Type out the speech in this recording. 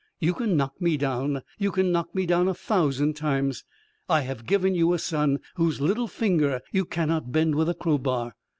You can knock me down. You can knock me down a thousand times. I have given you a son whose little finger you cannot bend with a crow bar.